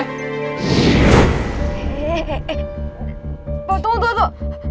tunggu tunggu tunggu